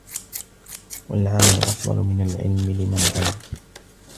وَالْعَمَلُ أَفْضَلُ مِنْ الْعِلْمِ لِمَنْ عَلِمَ